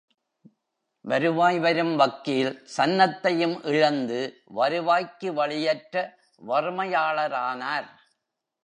வருவாய் வரும் வக்கீல் சன்னத்தையும் இழந்து வருவாய்க்கு வழியற்ற வறுமையாளரானார்.